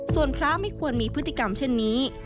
ส่วนพระไม่ควรมีพฤติกรรมเช่นนี้